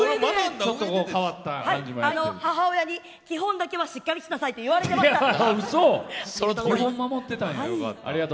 母親に基本だけはしっかりしなさいって言われてましたから。